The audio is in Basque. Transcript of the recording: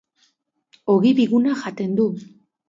Ogi biguna jaten du.